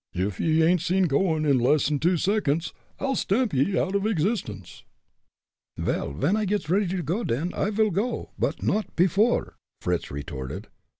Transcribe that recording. Ef ye ain't seen goin' in less'n two seconds, I'll stamp ye out o' existence." "Vel, when I gits ready to go, den I vil go, und not pefore!" Fritz retorted.